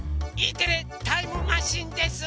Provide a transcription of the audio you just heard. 「Ｅテレタイムマシン」です。